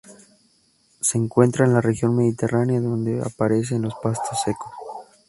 Se encuentra en la región mediterránea donde aparece en los pastos secos.